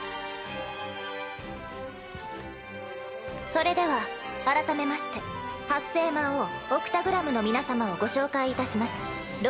それでは改めまして八星魔王オクタグラムの皆さまをご紹介いたします。